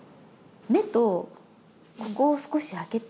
目とここを少しあけて。